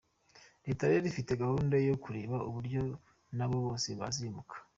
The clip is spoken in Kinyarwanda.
Leta rero ifite gahunda yo kureba uburyo n’abo bose bazimuka.